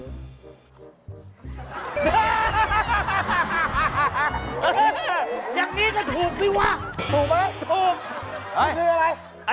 เอออันนี้ถูกแล้วแหละ